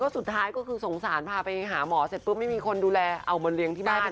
สุดท้ายก็คือสงสารพาไปหาหมอเสร็จปุ๊บไม่มีคนดูแลเอามาเลี้ยงที่บ้าน